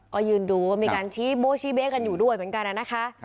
ก็ยืนดูว่ามีการชี้โบ้ชี้เบ๊กันอยู่ด้วยเหมือนกันนะคะ